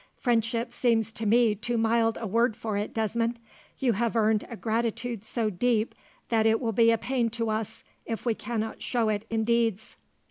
"Friendship seems to me too mild a word for it, Desmond. You have earned a gratitude so deep that it will be a pain to us, if we cannot show it in deeds."